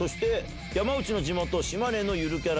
山内の地元島根のゆるキャラ